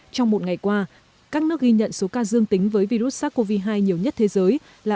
trong một ngày qua các nước ghi nhận số ca dương tính với virus sars cov hai nhiều nhất thế giới là